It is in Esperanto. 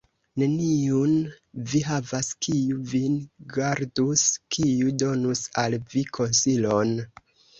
Neniun vi havas, kiu vin gardus, kiu donus al vi konsilon.